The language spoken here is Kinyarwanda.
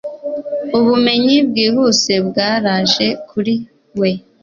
Ubumenyi bwihuse bwaraje kuri we